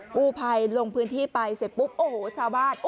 กู้ภัยลงพื้นที่ไปเสร็จปุ๊บโอ้โหชาวบ้าน